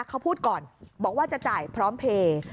เขาพูดก่อนบอกว่าจะจ่ายพร้อมเพลย์